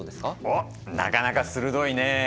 おっなかなか鋭いね！